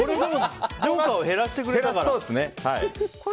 ジョーカーを減らしてくれてるから。